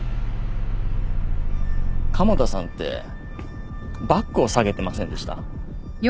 加茂田さんってバッグを提げてませんでした？